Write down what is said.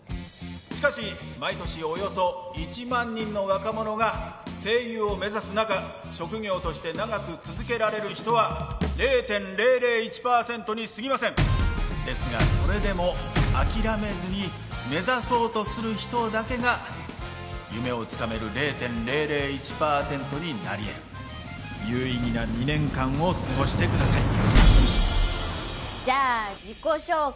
しかし毎年およそ１万人の若者が声優を目指す中職業として長く続けられる人は０．００１％にすぎませんですがそれでも諦めずに目指そうとする人だけが夢をつかめる０．００１％になり得る有意義な２年間を過ごしてくださいじゃあ自己紹介